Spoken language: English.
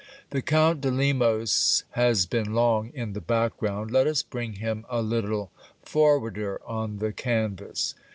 The Count de Lemos has been long in the background, let us bring him a little forwarder on the canvas.